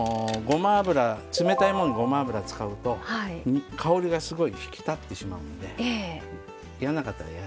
冷たいものにごま油を使うと香りがすごい引き立ってしまうので嫌な方は嫌。